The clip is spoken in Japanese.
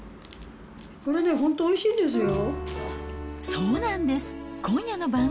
これね、本当おいしいんですよ。